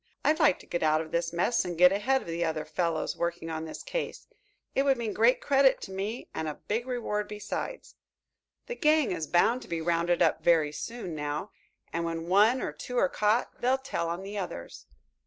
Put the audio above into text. "I'd like to get out of this mess and get ahead of the other fellows working on this case. It would mean great credit to me and a big reward besides. The gang is bound to be rounded up very soon now, and when one or two are caught they'll tell on the others.